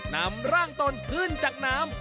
นำร่างตนขึ้นจากน้ำ